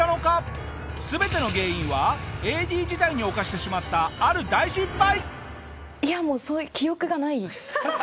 全ての原因はＡＤ時代に犯してしまったある大失敗！